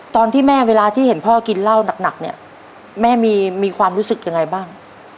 ตอนที่แม่เวลาที่เห็นพ่อกินเหล้าหนักเนี่ยแม่มีความรู้สึกยังไงบ้าง